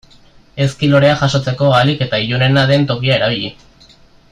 Ezki lorea jasotzeko ahalik eta ilunena den tokia erabili.